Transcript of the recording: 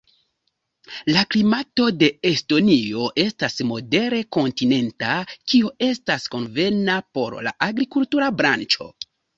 La klimato de Estonio estas modere kontinenta, kio estas konvena por la agrikultura branĉo.